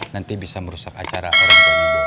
nanti bisa merusak acara orang baliho